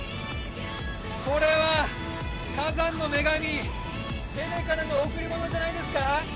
これは火山の女神ペレからの贈り物じゃないですか？